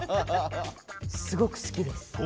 すごくすきです。